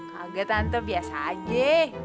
kaget tante biasa aja